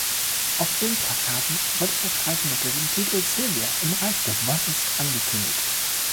Auf Filmplakaten wurde der Streifen unter dem Titel "Silvia im Reich der Wollust" angekündigt.